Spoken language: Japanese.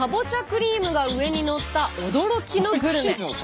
クリームが上にのった驚きのグルメ。